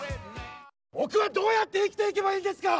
僕はどうやって生きていけばいいんですか！